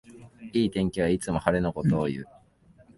いい天気はいつも晴れのことをいう